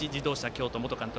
京都元監督